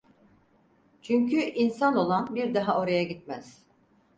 Çünkü insan olan bir daha oraya gitmez…